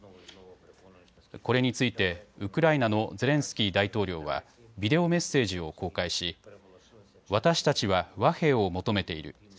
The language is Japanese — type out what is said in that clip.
これについてウクライナのゼレンスキー大統領はビデオメッセージを公開し私たちは和平を求めている。